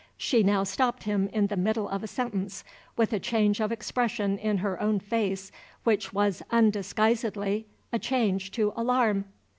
She now stopped him in the middle of a sentence, with a change of expression in her own face which was undisguisedly a change to alarm.